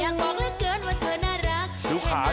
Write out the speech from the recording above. อย่าบอกละเกินว่าเธอน่ารักแค่ไหน